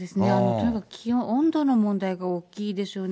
とにかく気温、温度の問題が大きいでしょうね。